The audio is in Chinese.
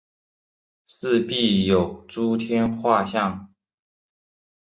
四壁有诸天画像。